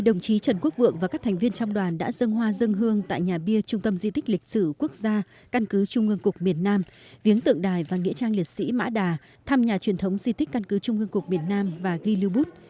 đồng chí trần quốc vượng và các thành viên trong đoàn đã dân hoa dân hương tại nhà bia trung tâm di tích lịch sử quốc gia căn cứ trung ương cục miền nam viếng tượng đài và nghĩa trang liệt sĩ mã đà thăm nhà truyền thống di tích căn cứ trung ương cục miền nam và ghi lưu bút